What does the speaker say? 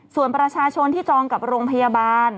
ส่วนประชาชนที่จองกับโรงพยาบาล